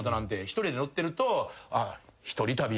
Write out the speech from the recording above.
１人で乗ってると。